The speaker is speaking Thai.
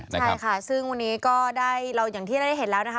ใช่ค่ะซึ่งวันนี้ก็ได้เราอย่างที่เราได้เห็นแล้วนะคะ